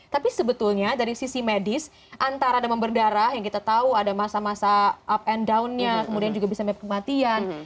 tapi sebetulnya dari sisi medis antara ada memberdarah yang kita tahu ada masa masa up and downnya kemudian juga bisa sampai kematian